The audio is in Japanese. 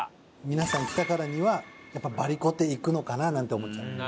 皆さん来たからにはやっぱりばりこていくのかななんて思っちゃって。